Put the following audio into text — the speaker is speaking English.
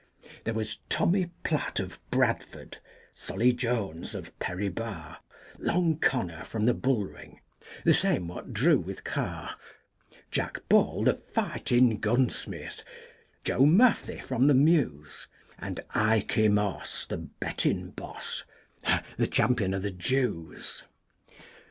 There was Tommy Piatt of Bradford, Solly Jones of Perry Bar, Long Connor from the Bull Ring, the same wot drew with Carr, Jack Ball the fightin gunsmith, Joe Mur phy from the Mews, And Iky Moss, the bettin' boss, the Champion of the Jews.